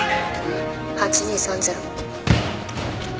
８２３０。